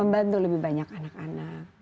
membantu lebih banyak anak anak